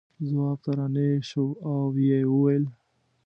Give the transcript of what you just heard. ځواب ته را نېغ شو او یې وویل.